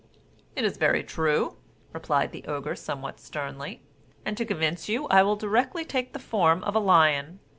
"It is very true," replied the Ogre somewhat sternly; "and to convince you I will directly take the form of a lion."